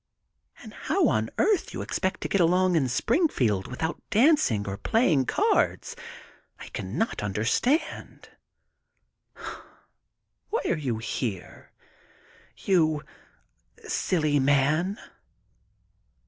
And how on earth you expect to get along in Springfield without dancing or playing cards I cannot understand. Why are you here, you silly man?''